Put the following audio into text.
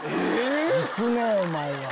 行くねぇお前は。